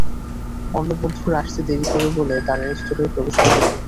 অন্য বন্ধুরা আসতে দেরি করে বলে তারা রেস্তোরাঁয় প্রবেশ করতে পারেনি।